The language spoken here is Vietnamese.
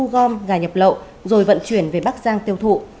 gom gà nhập lậu rồi vận chuyển về bắc giang tiêu thụ